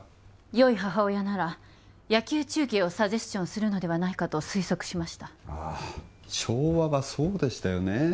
よい母親なら野球中継をサジェスチョンするのではないかと推測しましたああ昭和はそうでしたよね